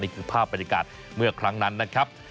นี่คือภาพบรรยากาศเมื่อครั้งนั้นนะครับ